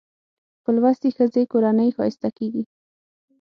په لوستې ښځه کورنۍ ښايسته کېږي